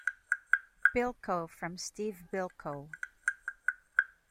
Bilko from Steve Bilko.